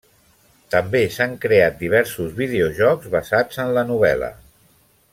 També s'han creat diversos videojocs basats en la novel·la.